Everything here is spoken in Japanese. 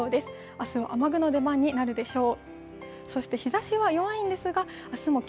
明日は雨具の出番になるでしょう。